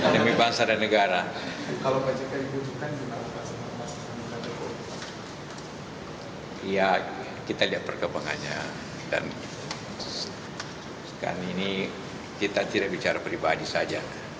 dan sekarang ini kita tidak bicara pribadi saja